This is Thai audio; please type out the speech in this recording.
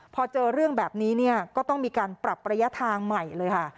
พอเจอเรื่องแบบนี้เนี่ยก็ต้องมีการปรับระยะทางใหม่เลยค่ะ